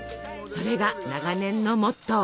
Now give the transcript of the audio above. それが長年のモットー。